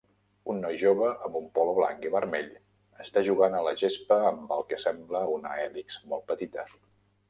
Un noi jove amb un polo blanc i vermell està jugant a la gespa amb el que sembla una hèlix molt petita